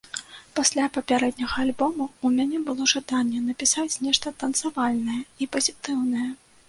Пасля папярэдняга альбома ў мяне было жаданне напісаць нешта танцавальнае і пазітыўнае.